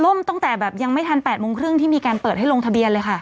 ตั้งแต่แบบยังไม่ทัน๘โมงครึ่งที่มีการเปิดให้ลงทะเบียนเลยค่ะ